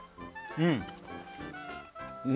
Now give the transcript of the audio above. うん！